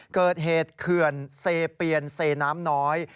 เกิดเหตุเขื่อนเซเปียนเซน้ำน้อย